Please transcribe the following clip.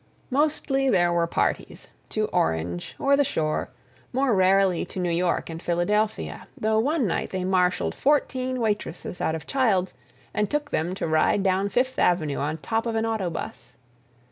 Mostly there were parties—to Orange or the Shore, more rarely to New York and Philadelphia, though one night they marshalled fourteen waitresses out of Childs' and took them to ride down Fifth Avenue on top of an auto bus.